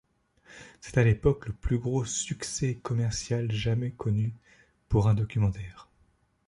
C'est à l'époque le plus gros succès commercial jamais connu pour un documentaire.